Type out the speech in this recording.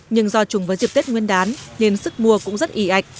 nhưng do chùng với dịp tết nguyên đán nên sức mua cũng rất ị ạch